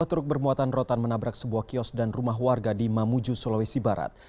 dua truk bermuatan rotan menabrak sebuah kios dan rumah warga di mamuju sulawesi barat